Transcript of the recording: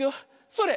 それ！